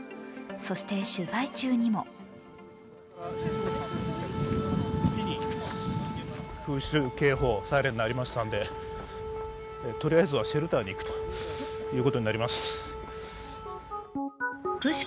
そして、取材中にも空襲警報、サイレン鳴りましたんで、とりあえずはシェルターに行くということになります。